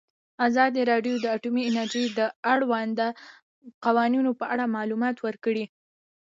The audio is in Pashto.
ازادي راډیو د اټومي انرژي د اړونده قوانینو په اړه معلومات ورکړي.